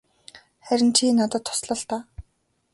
Харин чи надад тусал л даа.